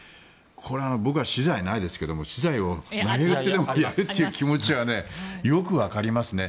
これは僕は私財、ないですけど私財をなげうってでもやるという気持ちはよくわかりますね。